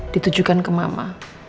ditujukan ke mama